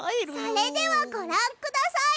それではごらんください！